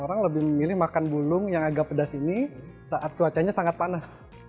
orang lebih memilih makan bulung yang agak pedas ini saat cuacanya sangat panas